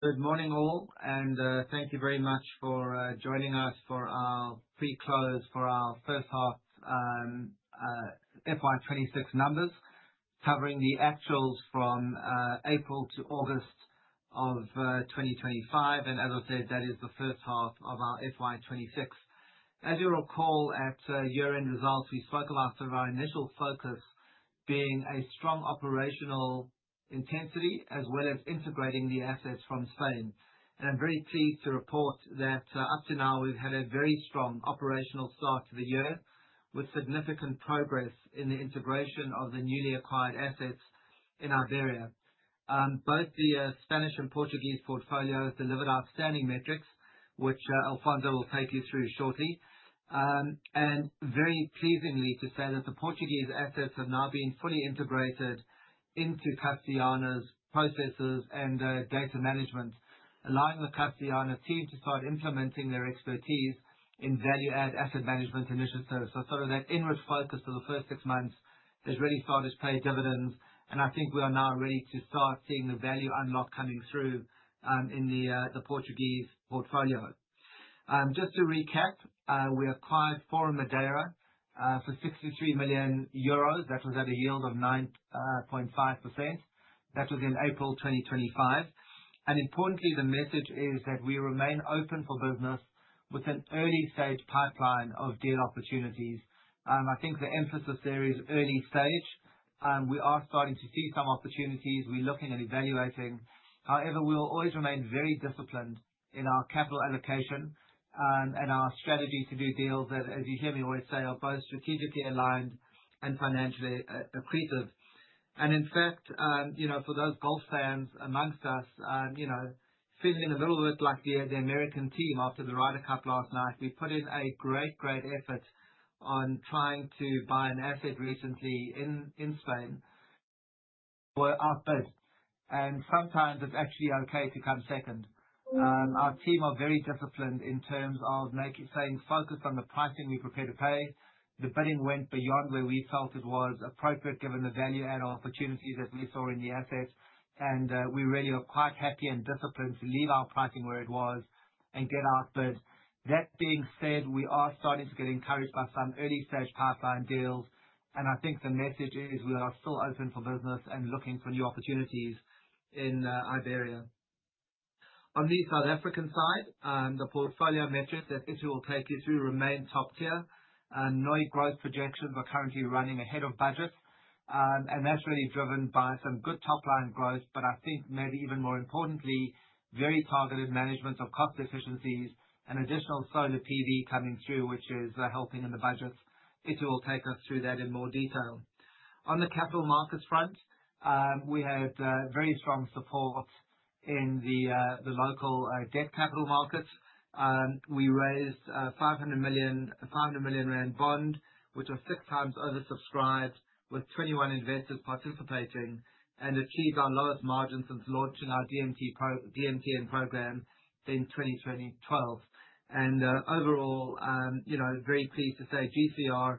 Good morning all, thank you very much for joining us for our pre-close for our first half FY 2026 numbers. Covering the actuals from April to August of 2025, as I said, that is the first half of our FY 2026. As you'll recall at year-end results, we spoke about sort of our initial focus being a strong operational intensity as well as integrating the assets from Spain. I'm very pleased to report that up to now we've had a very strong operational start to the year with significant progress in the integration of the newly acquired assets in Iberia. Both the Spanish and Portuguese portfolios delivered outstanding metrics, which Alfonso will take you through shortly. And very pleasingly to say that the Portuguese assets have now been fully integrated into Castellana's processes and data management, allowing the Castellana team to start implementing their expertise in value-add asset management initiatives. That inward focus for the first six months has really started to pay dividends, and I think we are now ready to start seeing the value unlock coming through in the Portuguese portfolio. Just to recap, we acquired Forum Madeira for 63 million euros. That was at a yield of 9.5%. That was in April 2025. Importantly, the message is that we remain open for business with an early-stage pipeline of deal opportunities. I think the emphasis there is early stage. We are starting to see some opportunities we're looking and evaluating. However, we will always remain very disciplined in our capital allocation, and our strategy to do deals that, as you hear me always say, are both strategically aligned and financially accretive. In fact, you know, for those golf fans amongst us, you know, feeling a little bit like the American team after the Ryder Cup last night, we put in a great effort on trying to buy an asset recently in Spain. Sometimes it's actually okay to come second. Our team are very disciplined in terms of saying, "Focus on the pricing we're prepared to pay." The bidding went beyond where we felt it was appropriate given the value-add opportunities that we saw in the assets and we really are quite happy and disciplined to leave our pricing where it was and get outbid. That being said, we are starting to get encouraged by some early-stage pipeline deals, and I think the message is we are still open for business and looking for new opportunities in Iberia. On the South African side, the portfolio metrics that Itumeleng will take you through remain top-tier. NOI growth projections are currently running ahead of budget, and that's really driven by some good top-line growth, but I think maybe even more importantly, very targeted management of cost efficiencies and additional solar PV coming through, which is helping in the budget. Itumeleng will take us through that in more detail. On the capital markets front, we had very strong support in the local debt capital markets. We raised a 500 million bond, which was 6 times oversubscribed with 21 investors participating and achieved our lowest margin since launching our DMTN program in 2012. Overall, you know, very pleased to say GCR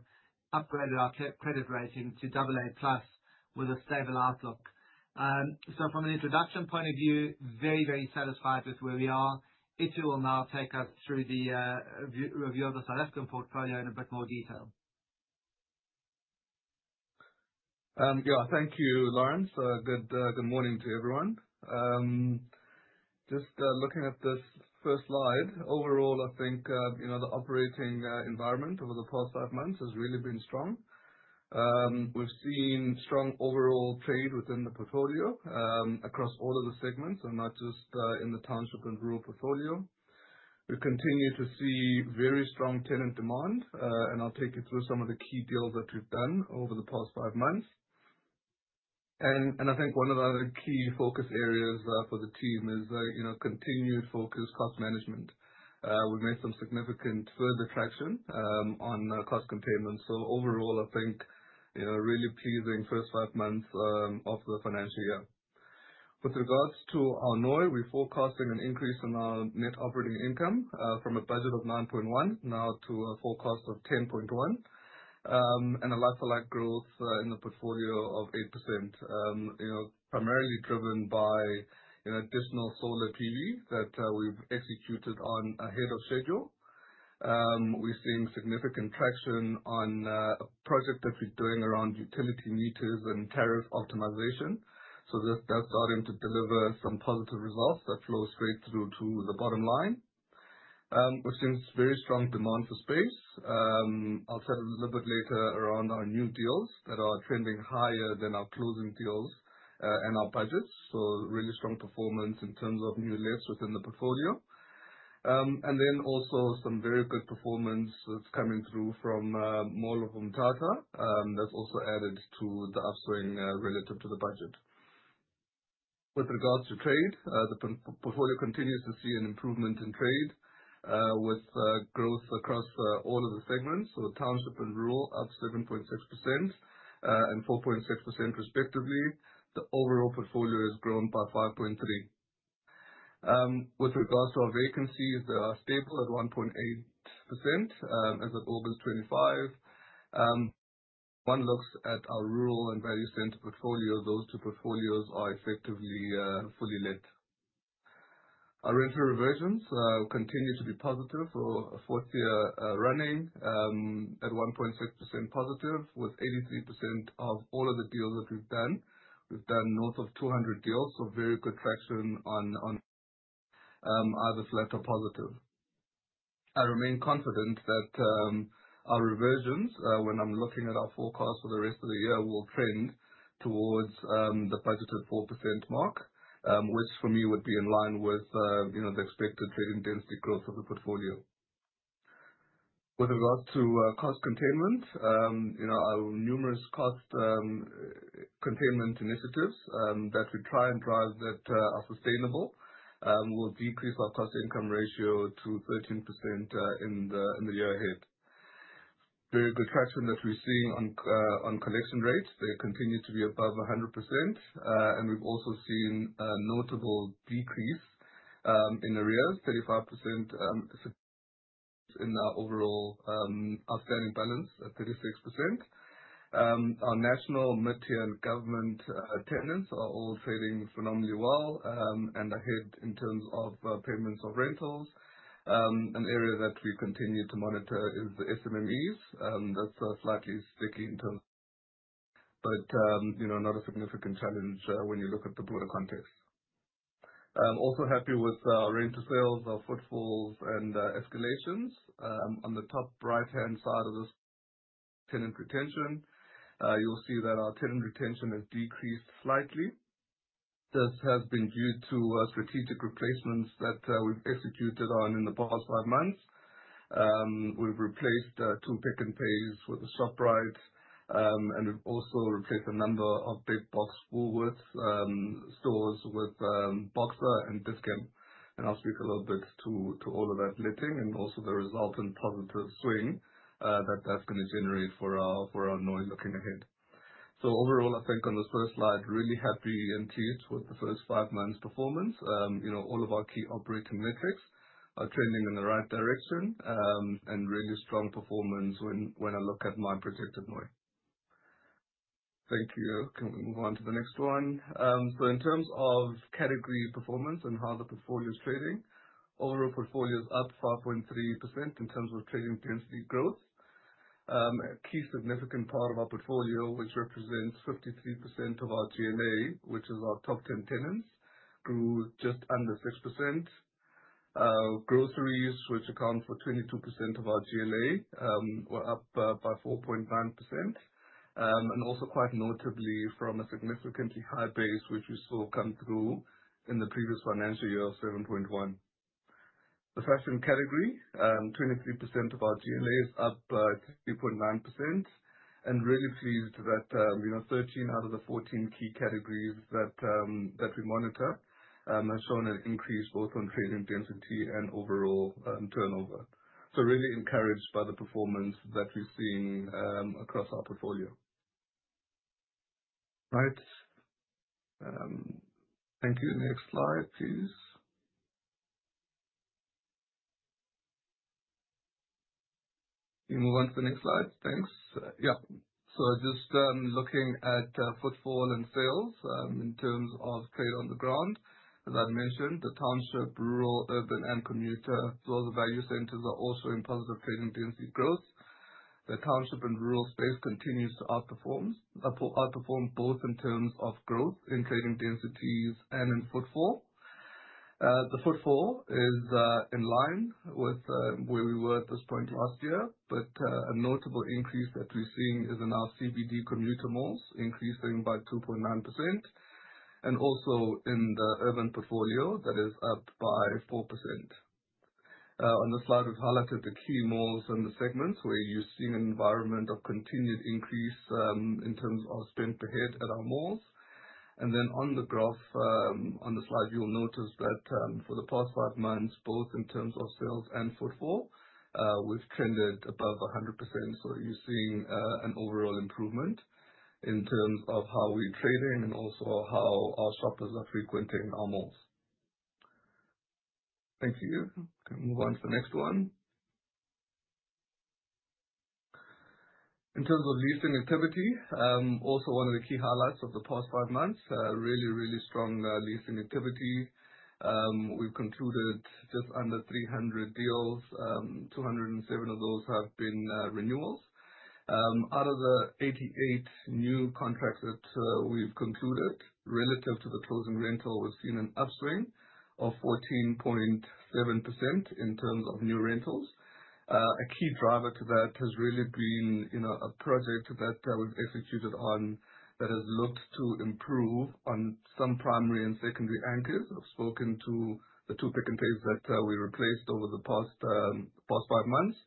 upgraded our credit rating to AA+ with a stable outlook. From an introduction point of view, very satisfied with where we are. Itumeleng will now take us through the review of the South African portfolio in a bit more detail. Yeah. Thank you, Lawrence. Good morning to everyone. Just looking at this first slide. Overall, I think, you know, the operating environment over the past five months has really been strong. We've seen strong overall trade within the portfolio, across all of the segments and not just in the township and rural portfolio. We continue to see very strong tenant demand, I'll take you through some of the key deals that we've done over the past five months. I think one of the other key focus areas for the team is, you know, continued focused cost management. We made some significant further traction on cost containment. Overall, I think, you know, really pleasing first five months of the financial year. With regards to our NOI, we're forecasting an increase in our net operating income, from a budget of 9.1 now to a forecast of 10.1. A like-for-like growth, in the portfolio of 8%. You know, primarily driven by, you know, additional solar PV that we've executed on ahead of schedule. We're seeing significant traction on a project that we're doing around utility meters and tariff optimization. That's starting to deliver some positive results that flow straight through to the bottom line. We're seeing very strong demand for space. I'll share a little bit later around our new deals that are trending higher than our closing deals, and our budgets. Really strong performance in terms of new lets within the portfolio. Also some very good performance that's coming through from Mall of Umhlanga that's also added to the upswing relative to the budget. With regards to trade, the portfolio continues to see an improvement in trade with growth across all of the segments. The township and rural up 7.6% and 4.6% respectively. The overall portfolio has grown by 5.3%. With regards to our vacancies, they are stable at 1.8% as of August 25. One looks at our rural and value center portfolio. Those two portfolios are effectively fully lit. Our rental reversions will continue to be positive for a fourth year running at 1.6% positive with 83% of all of the deals that we've done. We've done north of 200 deals, so very good traction on either flat or positive. I remain confident that our reversions, when I'm looking at our forecast for the rest of the year, will trend towards the positive 4% mark, which for me would be in line with, you know, the expected trading density growth of the portfolio. With regards to cost containment, you know, our numerous cost containment initiatives that we try and drive that are sustainable, will decrease our cost income ratio to 13% in the year ahead. Very good traction that we're seeing on collection rates. They continue to be above 100%. We've also seen a notable decrease in the arrears, 35%, in our overall outstanding balance at 36%. Our national material government tenants are all faring phenomenally well and ahead in terms of payments of rentals. An area that we continue to monitor is the SMMEs, that's slightly sticky in terms, you know, not a significant challenge when you look at the broader context. I'm also happy with our range of sales, our footfalls and escalations. On the top right-hand side of this tenant retention, you'll see that our tenant retention has decreased slightly. This has been due to strategic replacements that we've executed on in the past 5 months. We've replaced two Pick n Pays with a Shoprite, and we've also replaced a number of big box Woolworths stores with Boxer and Dis-Chem. I'll speak a little bit to all of that letting, and also the resultant positive swing that that's gonna generate for our NOI looking ahead. Overall, I think on this first slide, really happy and pleased with the first five months performance. You know, all of our key operating metrics are trending in the right direction, and really strong performance when I look at my predicted NOI. Thank you. Can we move on to the next one? In terms of category performance and how the portfolio's trading, overall portfolio is up 5.3% in terms of trading density growth. A key significant part of our portfolio, which represents 53% of our GLA, which is our top 10 tenants, grew just under 6%. Groceries, which account for 22% of our GLA, were up by 4.9%. Also quite notably from a significantly high base which you saw come through in the previous financial year of 7.1%. The fashion category, 23% of our GLA is up by 3.9%. Really pleased that, you know, 13 out of the 14 key categories that we monitor, have shown an increase both on trading density and overall, turnover. Really encouraged by the performance that we're seeing, across our portfolio. Right. Thank you. Next slide, please. Can we move on to the next slide? Thanks. Just looking at footfall and sales in terms of trade on the ground. As I've mentioned, the township, rural, urban, and commuter. The value centers are also in positive trading density growth. The township and rural space continues to outperform both in terms of growth in trading densities and in footfall. The footfall is in line with where we were at this point last year. A notable increase that we're seeing is in our CBD commuter malls increasing by 2.9% and also in the urban portfolio, that is up by 4%. On this slide, we've highlighted the key malls in the segments where you're seeing an environment of continued increase in terms of spend per head at our malls. On the graph, on the slide, you'll notice that, for the past five months, both in terms of sales and footfall, we've trended above 100%. You're seeing an overall improvement in terms of how we're trading and also how our shoppers are frequenting our malls. Thank you. Can move on to the next one. In terms of leasing activity, also one of the key highlights of the past five months, really, really strong leasing activity. We've concluded just under 300 deals. 207 of those have been renewals. Out of the 88 new contracts that we've concluded relative to the closing rental, we've seen an upswing of 14.7% in terms of new rentals. A key driver to that has really been, you know, a project that we've executed on that has looked to improve on some primary and secondary anchors. I've spoken to the two Pick n Pays that we replaced over the past five months.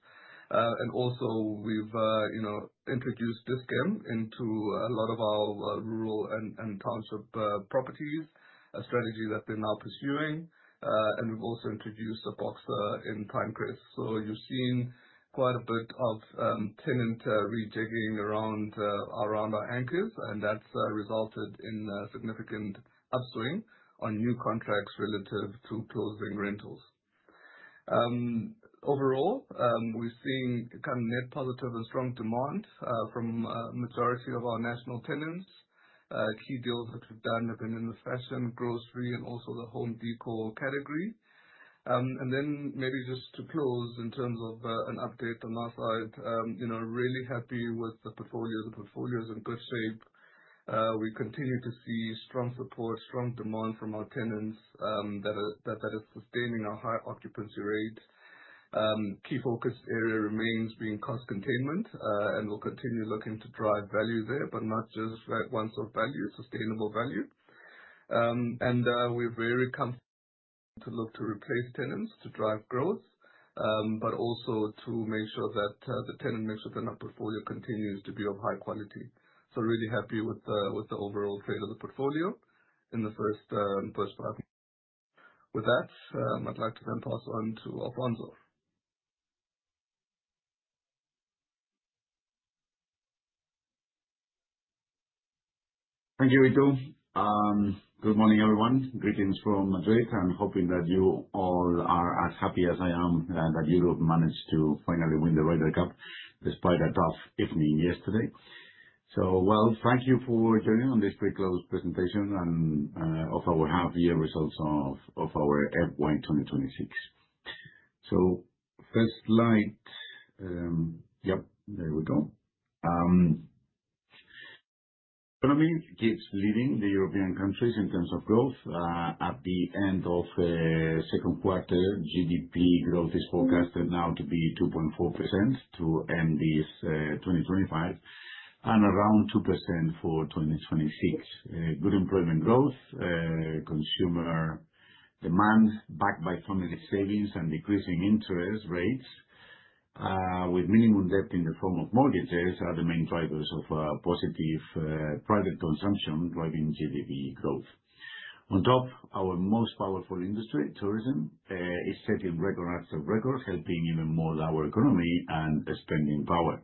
Also we've, you know, introduced Dis-Chem into a lot of our rural and township properties, a strategy that we're now pursuing. We've also introduced the Boxer in Pine Crest. You're seeing quite a bit of tenant rejigging around our anchors, and that's resulted in a significant upswing on new contracts relative to closing rentals. Overall, we're seeing kind of net positive and strong demand from majority of our national tenants. Key deals that we've done have been in the fashion, grocery, and also the home decor category. Then maybe just to close in terms of an update on our side, you know, really happy with the portfolio. The portfolio is in good shape. We continue to see strong support, strong demand from our tenants, that is sustaining our high occupancy rate. Key focus area remains being cost containment. We'll continue looking to drive value there, but not just one-off value, sustainable value. We're very comfortable to look to replace tenants to drive growth, but also to make sure that the tenant mix within our portfolio continues to be of high quality. Really happy with the overall state of the portfolio in the first half. With that, I'd like to then pass on to Alfonso. Thank you, Itu. Good morning, everyone. Greetings from Madrid. I'm hoping that you all are as happy as I am that Europe managed to finally win the Ryder Cup despite a tough evening yesterday. Well, thank you for joining on this pre-close presentation and of our half year results of our FY 2026. First slide. Yep, there we go. Economy keeps leading the European countries in terms of growth. At the end of second quarter, GDP growth is forecasted now to be 2.4% to end this 2025, and around 2% for 2026. Good employment growth, consumer demand backed by family savings and decreasing interest rates, with minimum debt in the form of mortgages are the main drivers of positive private consumption driving GDP growth. On top, our most powerful industry, tourism, is setting record after records, helping even more our economy and spending power.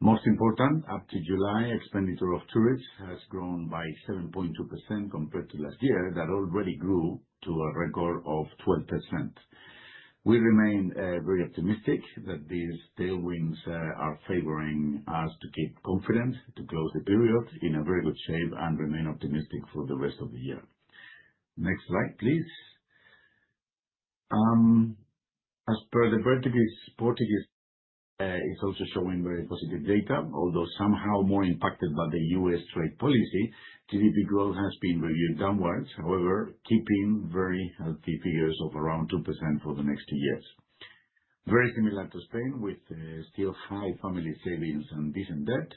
Most important, up to July, expenditure of tourists has grown by 7.2% compared to last year. That already grew to a record of 12%. We remain very optimistic that these tailwinds are favoring us to keep confidence, to close the period in a very good shape and remain optimistic for the rest of the year. Next slide, please. As per the Portuguese is also showing very positive data. Although somehow more impacted by the U.S. trade policy, GDP growth has been reviewed downwards. Keeping very healthy figures of around 2% for the next two years. Very similar to Spain, with still high family savings and decent debt.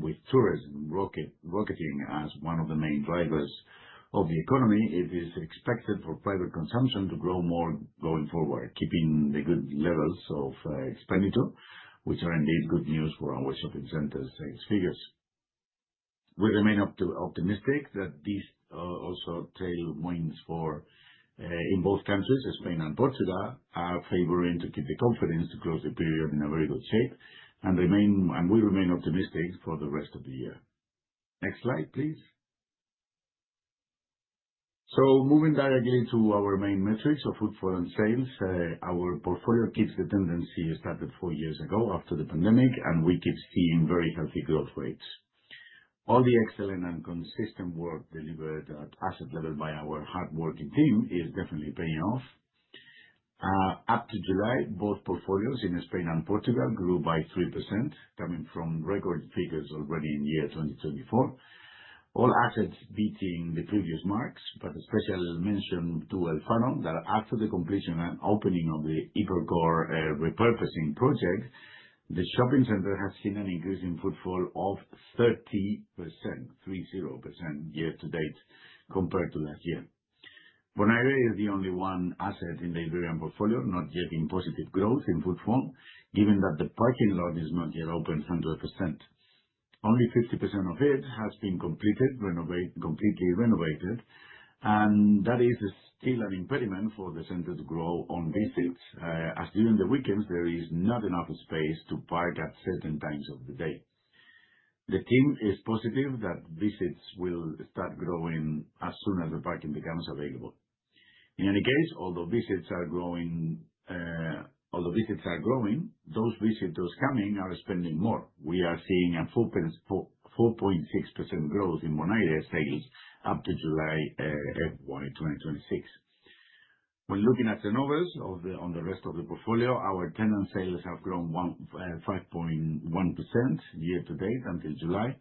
With tourism rocketing as one of the main drivers of the economy, it is expected for private consumption to grow more going forward, keeping the good levels of expenditure, which are indeed good news for our shopping centers' figures. We remain optimistic that these also tailwinds for in both countries, Spain and Portugal, are favoring to keep the confidence to close the period in a very good shape and remain, and we remain optimistic for the rest of the year. Next slide, please. Moving directly to our main metrics of footfall and sales. Our portfolio keeps the tendency started four years ago after the pandemic, we keep seeing very healthy growth rates. All the excellent and consistent work delivered at asset level by our hardworking team is definitely paying off. Up to July, both portfolios in Spain and Portugal grew by 3%, coming from record figures already in year 2024. All assets beating the previous marks, but a special mention to Alfafar that after the completion and opening of the Ibercore repurposing project, the shopping center has seen an increase in footfall of 30% year to date compared to last year. Monayre is the only one asset in the Iberian portfolio not yet in positive growth in footfall, given that the parking lot is not yet open 100%. Only 50% of it has been completely renovated, and that is still an impediment for the center's growth on visits. As during the weekends, there is not enough space to park at certain times of the day. The team is positive that visits will start growing as soon as the parking becomes available. In any case, although visits are growing, those visitors coming are spending more. We are seeing a 4.6% growth in Monayre sales up to July, FY 2026. When looking at the novels of the, on the rest of the portfolio, our tenant sales have grown 5.1% year to date until July.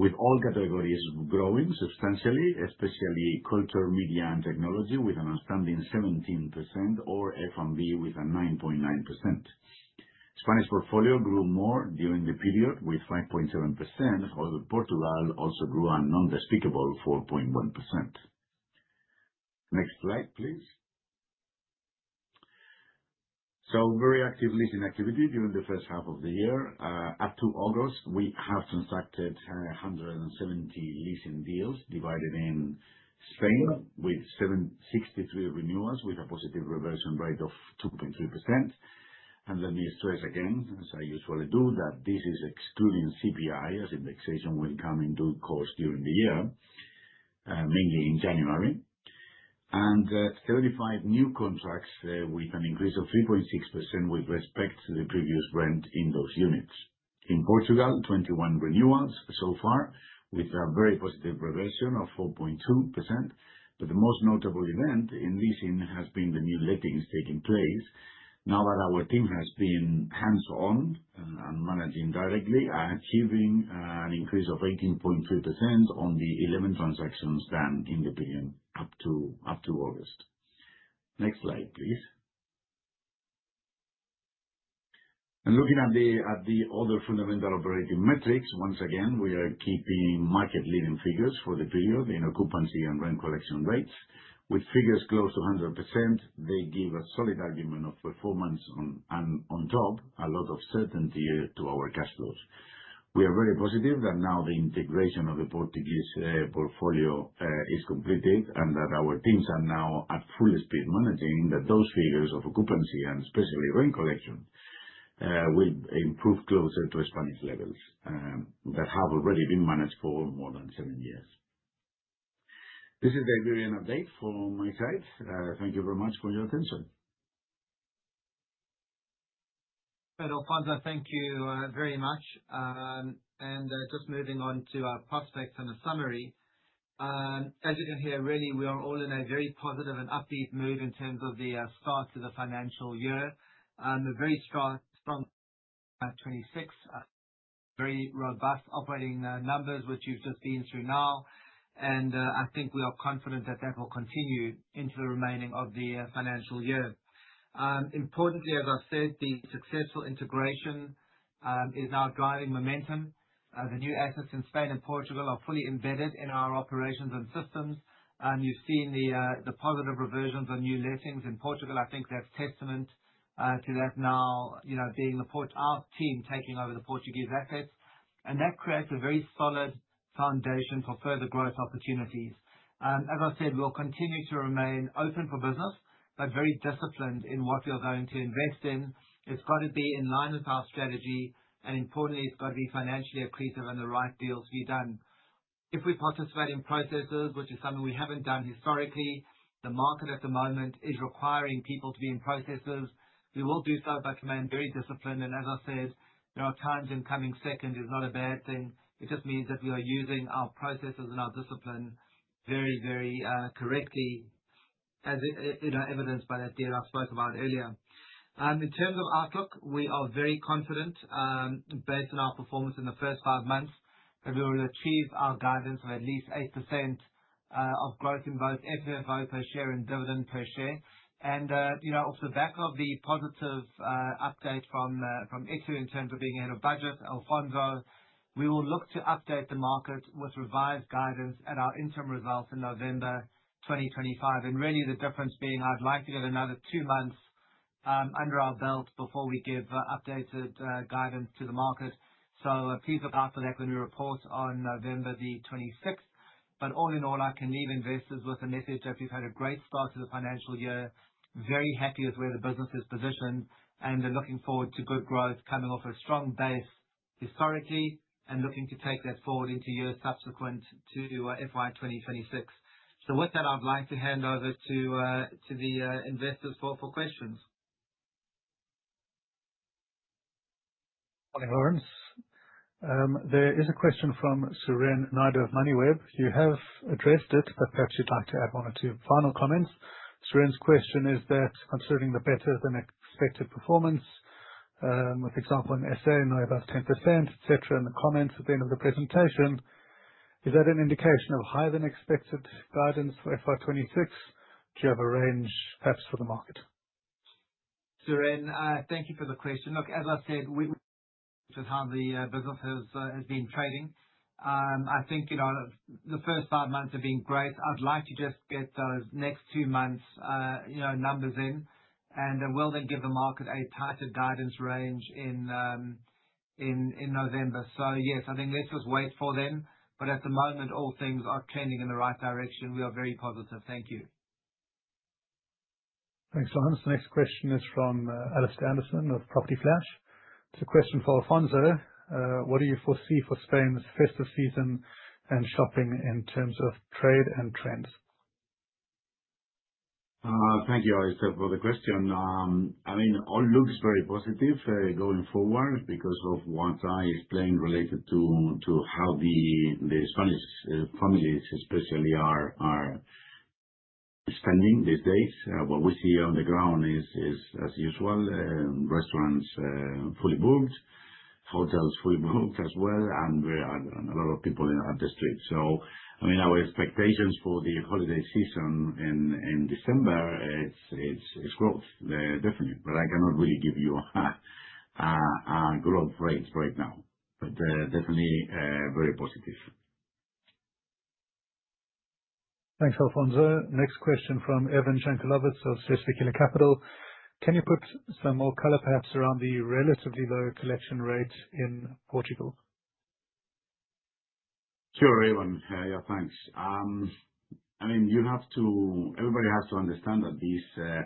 With all categories growing substantially, especially culture, media, and technology with an outstanding 17% or F&B with a 9.9%. Spanish portfolio grew more during the period with 5.7%, although Portugal also grew a non-despicable 4.1%. Next slide, please. Very active leasing activity during the first half of the year. Up to August, we have transacted 170 leasing deals divided in Spain with 63 renewals with a positive reversion rate of 2.3%. Let me stress again, as I usually do, that this is excluding CPI, as indexation will come into course during the year. Mainly in January. 35 new contracts with an increase of 3.6% with respect to the previous rent in those units. In Portugal, 21 renewals so far, with a very positive progression of 4.2%. The most notable event in leasing has been the new lettings taking place now that our team has been hands-on and managing directly, achieving an increase of 18.3% on the 11 transactions done in the PM up to August. Next slide, please. Looking at the, at the other fundamental operating metrics, once again, we are keeping market-leading figures for the period in occupancy and rent collection rates. With figures close to 100%, they give a solid argument of performance on, and on top, a lot of certainty to our cash flows. We are very positive that now the integration of the Portuguese portfolio is completed, and that our teams are now at full speed managing that those figures of occupancy and especially rent collection will improve closer to Spanish levels, that have already been managed for more than seven years. This is the interim update from my side. Thank you very much for your attention. Alfonso, thank you, very much. Just moving on to our prospects and the summary. As you can hear, really, we are all in a very positive and upbeat mood in terms of the start to the financial year. A very strong 26. Very robust operating numbers, which you've just been through now. I think we are confident that that will continue into the remaining of the financial year. Importantly, as I've said, the successful integration is now driving momentum. The new assets in Spain and Portugal are fully embedded in our operations and systems, and you've seen the positive reversions on new lettings in Portugal. I think that's testament to that now, you know, being our team taking over the Portuguese assets, and that creates a very solid foundation for further growth opportunities. As I said, we'll continue to remain open for business, but very disciplined in what we are going to invest in. It's got to be in line with our strategy, and importantly, it's got to be financially accretive and the right deals to be done. If we participate in processes, which is something we haven't done historically, the market at the moment is requiring people to be in processes. We will do so, but remain very disciplined. As I said, you know, at times coming second is not a bad thing. It just means that we are using our processes and our discipline very, very correctly as you know, evidenced by that deal I spoke about earlier. In terms of outlook, we are very confident, based on our performance in the first five months, that we will achieve our guidance of at least 8% of growth in both FFO per share and dividend per share. You know, off the back of the positive update from Itu in terms of being out of budget, Alfonso, we will look to update the market with revised guidance at our interim results in November 2025. Really the difference being I'd like to get another two months under our belt before we give updated guidance to the market. Please look out for that when we report on November 26th. All in all, I can leave investors with the message that we've had a great start to the financial year, very happy with where the business is positioned and looking forward to good growth coming off a strong base historically and looking to take that forward into years subsequent to FY 2026. With that, I'd like to hand over to the investors for questions. Morning, Lawrence. There is a question from Suren Naidoo of Moneyweb. You have addressed it, but perhaps you'd like to add one or two final comments. Suren's question is that considering the better than expected performance, with example in SA now above 10%, et cetera, in the comments at the end of the presentation, is that an indication of higher than expected guidance for FY 2026? Do you have a range perhaps for the market? Suren, thank you for the question. Look, as I said, just how the business has been trading. I think, you know, the first five months have been great. I'd like to just get those next two months, you know, numbers in and will then give the market a tighter guidance range in November. Yes, I think let's just wait for them, but at the moment all things are trending in the right direction. We are very positive. Thank you. Thanks, Lawrence. The next question is from Alistair Anderson of Property Flash. It's a question for Alfonso. What do you foresee for Spain's festive season and shopping in terms of trade and trends? Thank you, Alistair, for the question. I mean, all looks very positive going forward because of what I explained related to how the Spanish families especially are spending these days. What we see on the ground is as usual, restaurants fully booked, hotels fully booked as well, and a lot of people on the street. I mean, our expectations for the holiday season in December it's growth definitely, but I cannot really give you a growth rate right now. Definitely, very positive. Thanks, Alfonso. Next question from Evan Shenkelovich of Swedbank Capital. Can you put some more color perhaps around the relatively low collection rate in Portugal? Sure, Evan. Yeah, thanks. I mean, everybody has to understand that these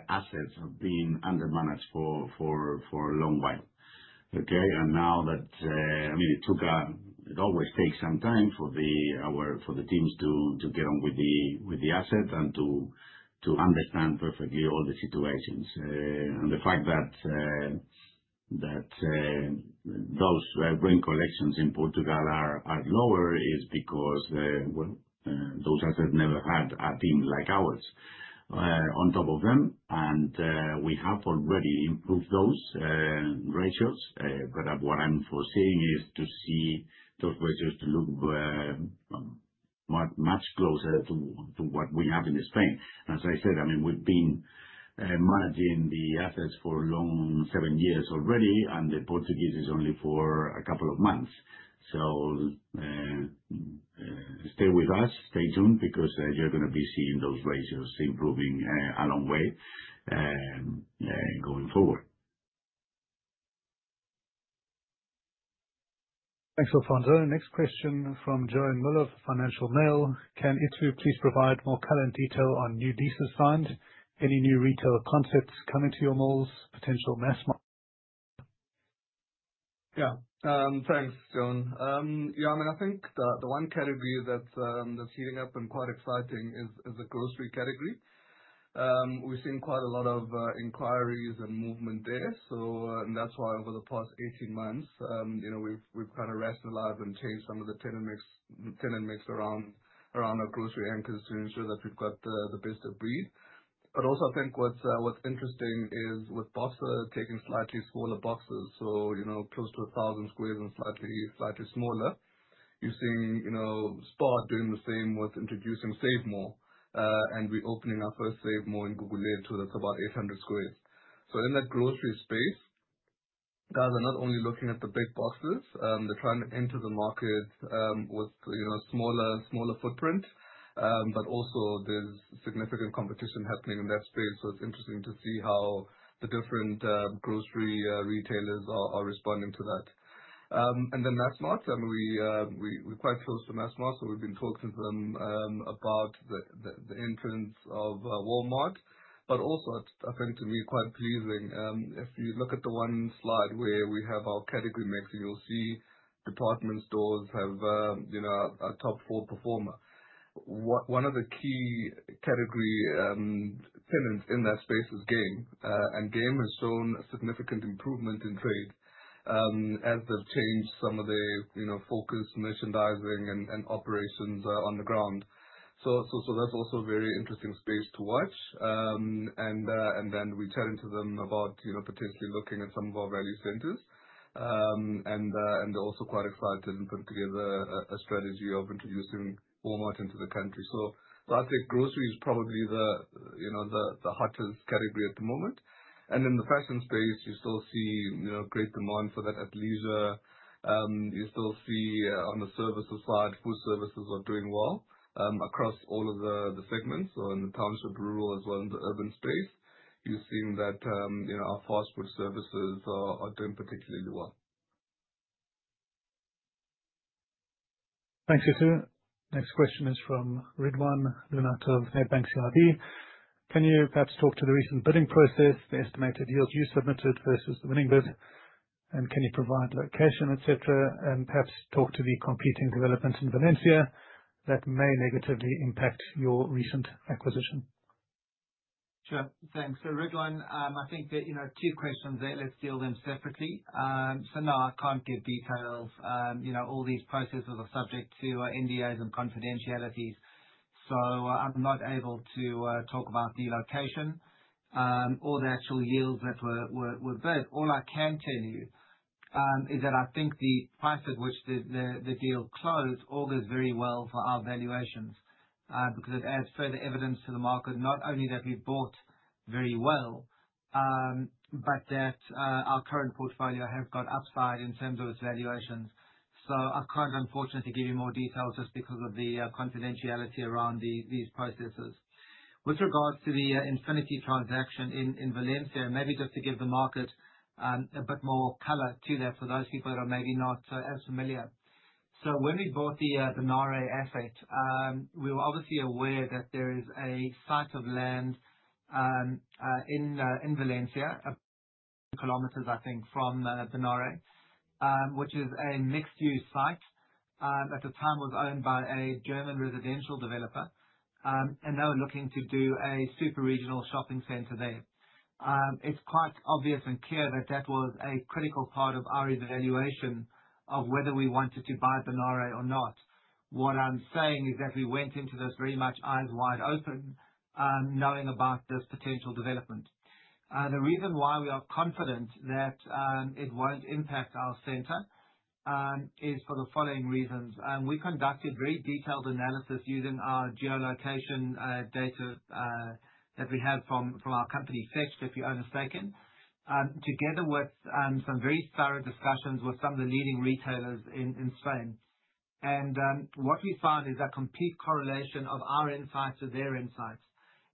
assets have been undermanaged for a long while. Okay? I mean, it always takes some time for the teams to get on with the asset and to understand perfectly all the situations. The fact that those rent collections in Portugal are lower is because, well, those assets never had a team like ours on top of them. We have already improved those ratios. What I'm foreseeing is to see those ratios to look much closer to what we have in Spain. I said, I mean, we've been managing the assets for a long seven years already. The Portuguese is only for a couple of months. Stay with us, stay tuned, because you're gonna be seeing those ratios improving a long way going forward. Thanks, Alfonso. Next question from Joan Muller of Financial Mail. Can Itu please provide more color and detail on new leases signed? Any new retail concepts coming to your malls, potential Massmart? Yeah. Thanks, Joan. Yeah, I mean, I think the one category that's heating up and quite exciting is the grocery category. We've seen quite a lot of inquiries and movement there. That's why over the past 18 months, you know, we've tried to rationalize and change some of the tenant mix around our grocery anchors to ensure that we've got the best of breed. Also, I think what's interesting is with Boxer taking slightly smaller boxes, so, you know, close to 1,000 squares and slightly smaller. You're seeing, you know, SPAR doing the same with introducing SaveMor, and we're opening our first SaveMor in Guguletu that's about 800 squares. In that grocery space, guys are not only looking at the big boxes, they're trying to enter the market, with, you know, smaller footprint. Also there's significant competition happening in that space, so it's interesting to see how the different, grocery, retailers are responding to that. Massmart, I mean, we're quite close to Massmart, so we've been talking to them, about the entrance of Walmart. Also it's been to me, quite pleasing. If you look at the one slide where we have our category mix, and you'll see department stores have, you know, a top four performer. One of the key category, tenants in that space is Game. Game has shown significant improvement in trade as they've changed some of their, you know, focus, merchandising and operations on the ground. That's also a very interesting space to watch. We're talking to them about, you know, potentially looking at some of our value centers. They're also quite excited and putting together a strategy of introducing Walmart into the country. I'd say grocery is probably the, you know, hottest category at the moment. In the fashion space, you still see, you know, great demand for that athleisure. You still see on the services side, food services are doing well across all of the segments. In the township, rural, as well as the urban space, you're seeing that, you know, our fast food services are doing particularly well. Thanks, Itsu. Next question is from Ridwaan Loonat of Nedbank CIB. Can you perhaps talk to the recent bidding process, the estimated yields you submitted versus the winning bid? Can you provide location, et cetera, and perhaps talk to the competing developments in Valencia that may negatively impact your recent acquisition? Ridwaan, I think there, you know, two questions there. Let's deal them separately. No, I can't give details. You know, all these processes are subject to NDAs and confidentialities. I'm not able to talk about the location or the actual yields that were bid. All I can tell you is that I think the price at which the deal closed augurs very well for our valuations because it adds further evidence to the market, not only that we bought very well, but that our current portfolio has got upside in terms of its valuations. I can't, unfortunately, give you more details just because of the confidentiality around these processes. With regards to the Infinity transaction in Valencia, maybe just to give the market a bit more color to that for those people that are maybe not as familiar. When we bought the Nare asset, we were obviously aware that there is a site of land in Valencia, a few kilometers, I think, from the Nare, which is a mixed-use site that at the time was owned by a German residential developer. They were looking to do a super regional shopping center there. It's quite obvious and clear that that was a critical part of our evaluation of whether we wanted to buy the Nare or not. What I'm saying is that we went into this very much eyes wide open, knowing about this potential development. The reason why we are confident that it won't impact our center is for the following reasons. We conducted very detailed analysis using our geolocation data that we have from our company, Fetch, if you aren't mistaken, together with some very thorough discussions with some of the leading retailers in Spain. What we found is a complete correlation of our insights to their insights.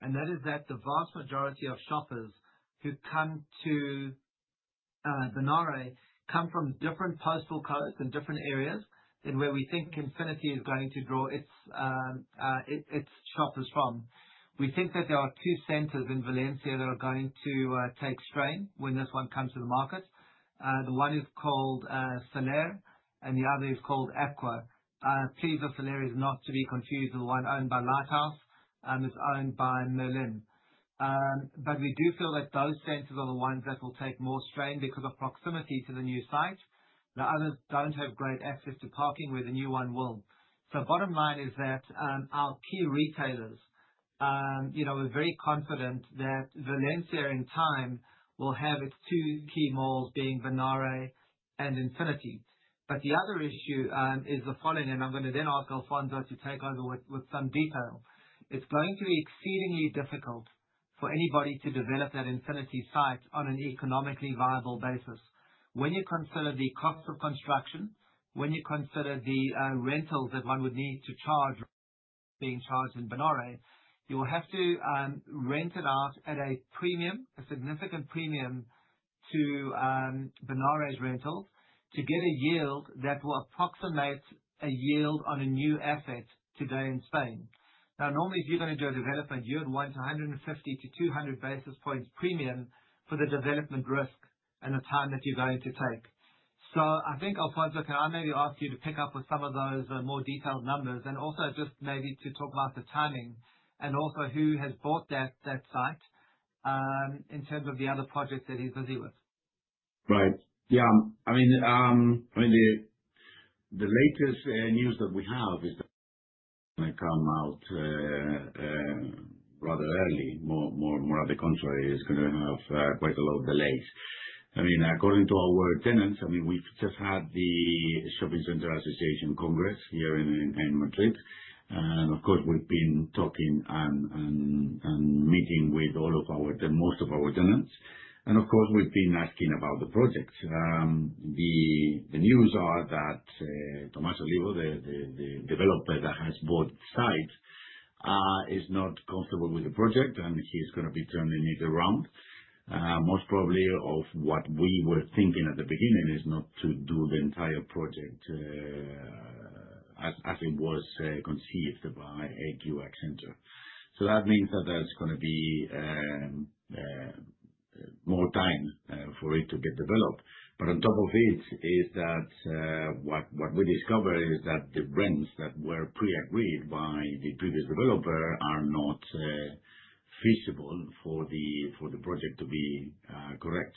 That the vast majority of shoppers who come to Bonaire come from different postal codes and different areas than where we think Infinity is going to draw its shoppers from. We think that there are two centers in Valencia that are going to take strain when this one comes to the market. The one is called El Saler, and the other is called Aqua. Please note El Saler is not to be confused with the one owned by Lighthouse, it's owned by MERLIN Properties. We do feel that those centers are the ones that will take more strain because of proximity to the new site. The others don't have great access to parking, where the new one will. Bottom line is that, our key retailers, you know, we're very confident that Valencia, in time, will have its two key malls being Bonaire and Infinity. The other issue is the following, and I'm going to then ask Alfonso to take over with some detail. It's going to be exceedingly difficult for anybody to develop that Infinity site on an economically viable basis. When you consider the cost of construction, when you consider the rentals that one would need to charge being charged in Bonaire, you will have to rent it out at a premium, a significant premium to Bonaire's rentals to get a yield that will approximate a yield on a new asset today in Spain. Normally if you're gonna do a development, you would want 150-200 basis points premium for the development risk and the time that you're going to take. I think, Alfonso, can I maybe ask you to pick up with some of those more detailed numbers, and also just maybe to talk about the timing, and also who has bought that site, in terms of the other projects that he's busy with. Right. Yeah. I mean, the latest news that we have is that when they come out, rather early, on the contrary, is gonna have quite a lot of delays. I mean, according to our tenants, we've just had the Shopping Center Association Congress here in Madrid. Of course, we've been talking and meeting with most of our tenants. Of course, we've been asking about the project. The news are that Tomás Olivo, the developer that has both sites, is not comfortable with the project, and he's gonna be turning it around. Most probably of what we were thinking at the beginning is not to do the entire project as it was conceived by ECE Accenter. That means that there's gonna be more time for it to get developed. On top of it, is that what we discover is that the rents that were pre-agreed by the previous developer are not feasible for the project to be correct,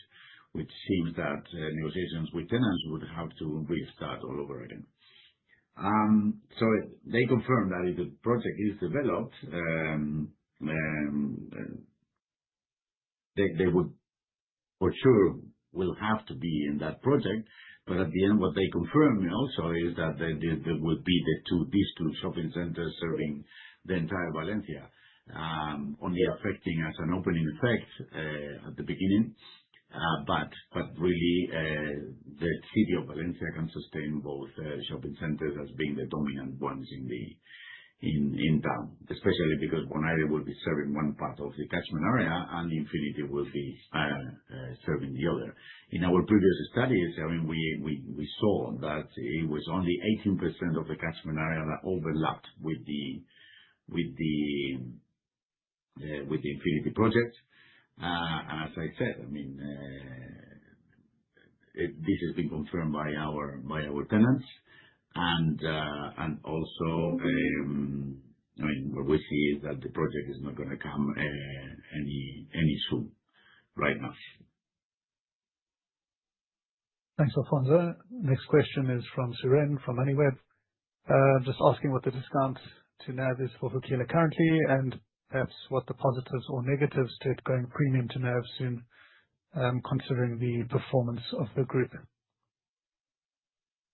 which seems that negotiations with tenants would have to restart all over again. They confirmed that if the project is developed, they would for sure will have to be in that project. At the end, what they confirm also is that there will be these two shopping centers serving the entire Valencia, only affecting as an opening effect at the beginning. Really, the city of Valencia can sustain both shopping centers as being the dominant ones in the town, especially because Bonaire will be serving one part of the catchment area and Infinity will be serving the other. In our previous studies, I mean, we saw that it was only 18% of the catchment area that overlapped with the, with the Infinity project. As I said, I mean, this has been confirmed by our tenants. Also, I mean, what we see is that the project is not gonna come any soon, right now. Thanks, Alfonso. Next question is from Seren, from Moneyweb, just asking what the discount to NAV is for Perquila currently, and perhaps what the positives or negatives to it going premium to NAV soon, considering the performance of the group.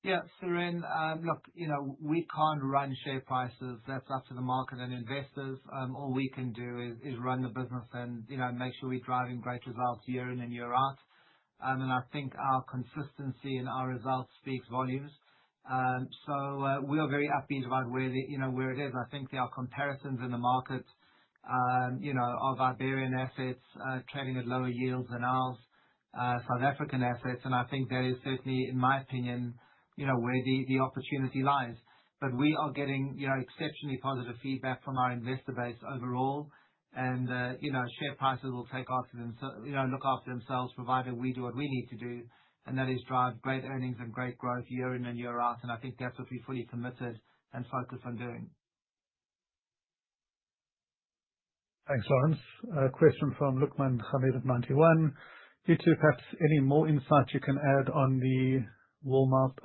Yeah. Seren, look, you know, we can't run share prices. That's up to the market and investors. All we can do is run the business and, you know, make sure we're driving great results year in and year out. I think our consistency and our results speaks volumes. We are very upbeat about where the, you know, where it is. I think there are comparisons in the market, you know, of Iberian assets, trading at lower yields than ours, South African assets, and I think that is certainly, in my opinion, you know, where the opportunity lies. We are getting, you know, exceptionally positive feedback from our investor base overall. Share prices will take after themsel... You know, look after themselves, provided we do what we need to do, and that is drive great earnings and great growth year in and year out, and I think that's what we're fully committed and focused on doing. Thanks, Lawrence. A question from Luqman Hamid of Ninety One. Itu, perhaps any more insight you can add on the Walmart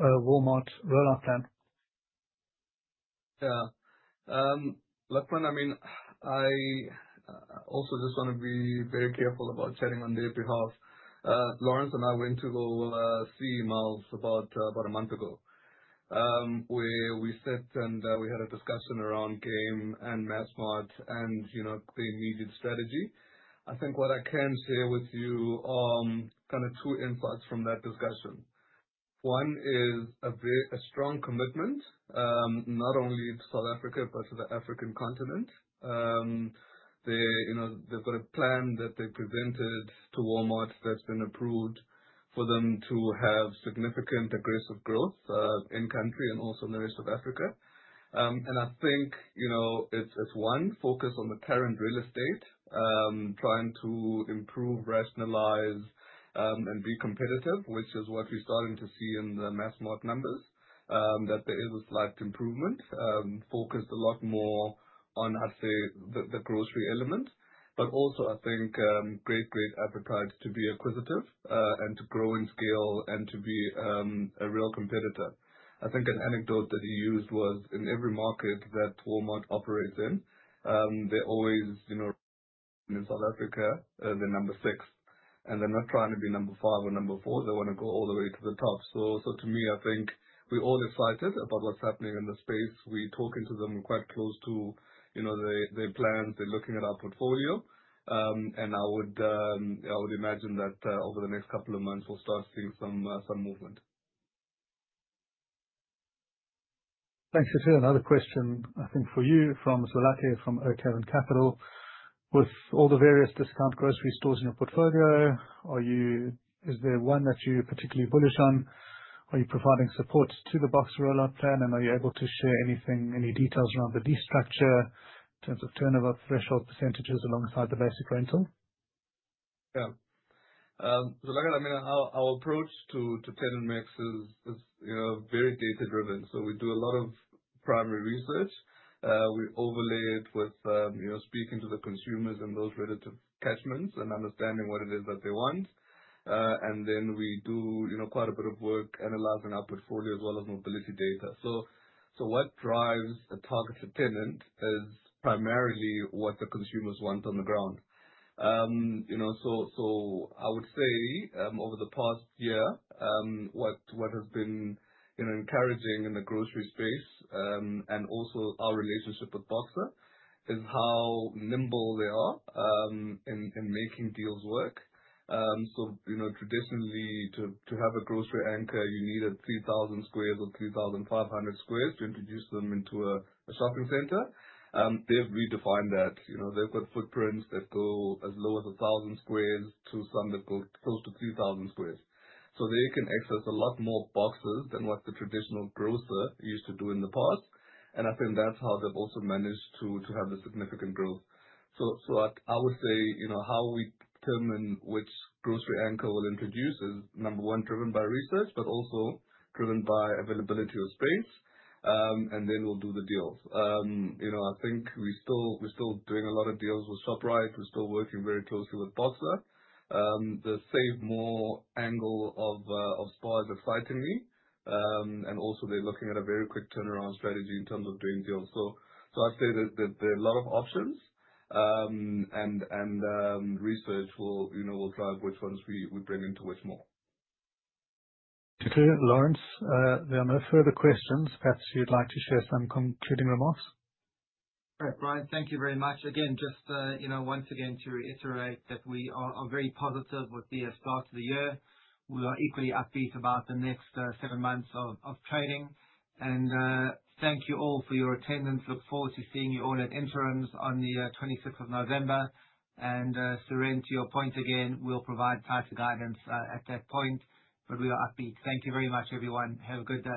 rollout plan? Yeah. Luqman, I mean, I also just wanna be very careful about sharing on their behalf. Lawrence and I went to go see malls about a month ago, where we sat and we had a discussion around Game and Massmart and, you know, the needed strategy. I think what I can share with you, kind of two insights from that discussion. One is a strong commitment, not only to South Africa but to the African continent. They, you know, they've got a plan that they presented to Walmart that's been approved for them to have significant aggressive growth in country and also in the rest of Africa. I think, you know, it's one, focus on the current real estate, trying to improve, rationalize, and be competitive, which is what we're starting to see in the Massmart numbers, that there is a slight improvement. Focused a lot more on, I'd say, the grocery element. Also, I think, great appetite to be acquisitive, and to grow in scale and to be a real competitor. I think an anecdote that he used was, in every market that Walmart operates in, they're always, you know, in South Africa, they're number six. They're not trying to be number five or number four. They wanna go all the way to the top. To me, I think we all excited about what's happening in the space. We're talking to them quite close to, you know, their plans. They're looking at our portfolio. I would imagine that over the next couple of months, we'll start seeing some movement. Thanks. Suren, another question I think for you from Zolani from O'Kevin Capital. With all the various discount grocery stores in your portfolio, is there one that you're particularly bullish on? Are you providing support to the Boxer rollout plan? Are you able to share anything, any details around the destructure in terms of turnover threshold % alongside the basic rental? Yeah. Zolani, I mean, our approach to tenant mix is, you know, very data driven. We do a lot of primary research. We overlay it with, you know, speaking to the consumers in those relative catchments and understanding what it is that they want. We do, you know, quite a bit of work analyzing our portfolio as well as mobility data. What drives the targets of tenant is primarily what the consumers want on the ground. You know, I would say, over the past year, what has been, you know, encouraging in the grocery space, and also our relationship with Boxer, is how nimble they are in making deals work. you know, traditionally, to have a grocery anchor, you needed 3,000 squares or 3,500 squares to introduce them into a shopping center. They've redefined that. You know, they've got footprints that go as low as 1,000 squares to some that go close to 3,000 squares. They can access a lot more Boxes than what the traditional grocer used to do in the past. I think that's how they've also managed to have the significant growth. I would say, you know, how we determine which grocery anchor we'll introduce is, number one, driven by research, but also driven by availability of space, and then we'll do the deals. You know, I think we still, we're still doing a lot of deals with Shoprite. We're still working very closely with Boxer. The SaveMor angle of SPAR is exciting me. Also they're looking at a very quick turnaround strategy in terms of doing deals. I'd say that there are a lot of options. Research will, you know, will drive which ones we bring into which mall. Thank you. Lawrence, there are no further questions. Perhaps you'd like to share some concluding remarks. All right. Brian, thank you very much. Again, just, you know, once again to reiterate that we are very positive with the start to the year. We are equally upbeat about the next seven months of trading. Thank you all for your attendance. Look forward to seeing you all at Interims on the 26th of November. Suren, to your point again, we'll provide tighter guidance at that point, but we are upbeat. Thank you very much, everyone. Have a good day.